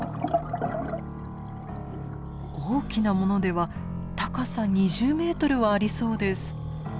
大きなものでは高さ２０ｍはありそうです。